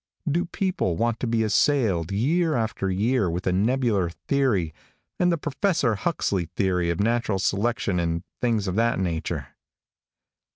Do people want to be assailed, year after year, with a nebular theory, and the Professor Huxley theory of natural selections and things of that nature?